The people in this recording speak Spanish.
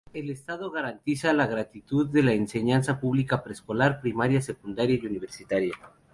El Estado garantiza la gratuidad de la enseñanza pública preescolar, primaria, secundaria y universitaria.